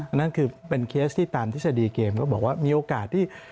นั่นคือเป็นเคสที่ตามทฤษฎีเกมก็บอกว่ามีโอกาสที่